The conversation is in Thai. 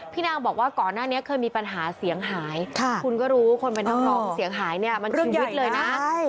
นางบอกว่าก่อนหน้านี้เคยมีปัญหาเสียงหายคุณก็รู้คนเป็นนักร้องเสียงหายเนี่ยมันครึ่งชีวิตเลยนะ